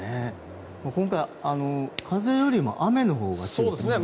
今回、風よりも雨のほうが強いんですよね。